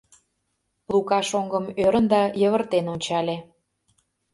Лука шоҥгым ӧрын да йывыртен ончале.